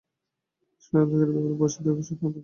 এ সব ষড়যন্ত্রকারীদের ব্যাপারে প্রবাসীদেরও সচেতন থাকতে হবে।